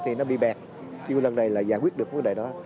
thì nó bị bẹp nhưng mà lần này là giải quyết được vấn đề đó